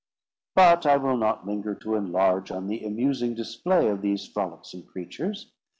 But I will not linger to enlarge on the amusing display of these frolicsome creatures.